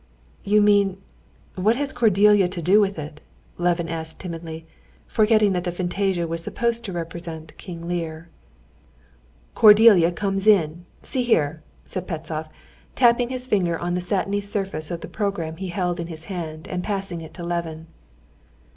"You mean ... what has Cordelia to do with it?" Levin asked timidly, forgetting that the fantasia was supposed to represent King Lear. "Cordelia comes in ... see here!" said Pestsov, tapping his finger on the satiny surface of the program he held in his hand and passing it to Levin.